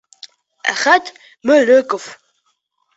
Әхәт МӨЛӨКОВ.